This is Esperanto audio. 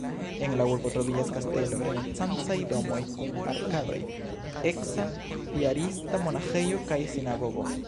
En la urbo troviĝas kastelo, renesancaj domoj kun arkadoj, eksa piarista monaĥejo kaj sinagogo.